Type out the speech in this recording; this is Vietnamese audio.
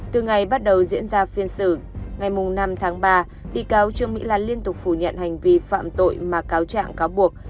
từ ngày bắt đầu diễn ra phiên xử ngày năm tháng ba bị cáo trương mỹ lan liên tục phủ nhận hành vi phạm tội mà cáo trạng cáo buộc